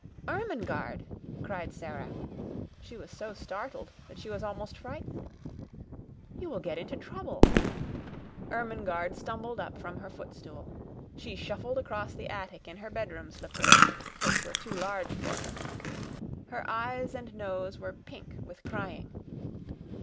"Ermengarde!" cried Sara. She was so startled that she was almost frightened. "You will get into trouble." Ermengarde stumbled up from her footstool. She shuffled across the attic in her bedroom slippers, which were too large for her. Her eyes and nose were pink with crying.